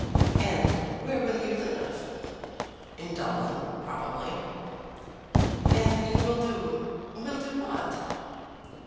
"And where will you live?" "In Dublin, probably." "And you will do, will do what?"